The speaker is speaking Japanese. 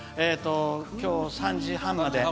今日、３時半まで。